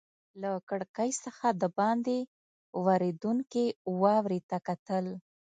له کړکۍ څخه دباندې ورېدونکې واورې ته کتل.